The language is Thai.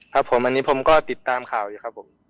ครับผมอันนี้ผมก็ติดตามข่าวอยู่ครับผม